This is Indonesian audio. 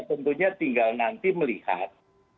tentunya tinggal nanti melihat